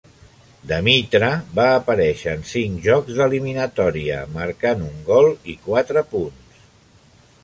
Demitra va aparèixer en cinc jocs d'eliminatòria, marcant un gol i quatre punts.